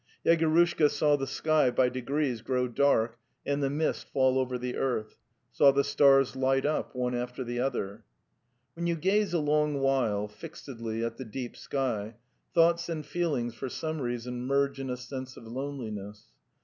. Yegorushka saw the sky by degrees grow dark and the mist fall over the earth — saw the stars light up, one atter the other. 21). When you gaze a long while fixedly at the deep sky thoughts and feelings for some reason merge in a sense of loneliness.